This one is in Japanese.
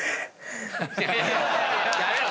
やめろ！